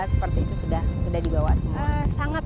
seperti itu sudah dibawa